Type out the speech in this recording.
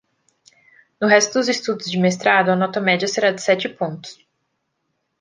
No resto dos estudos de mestrado, a nota média será de sete pontos.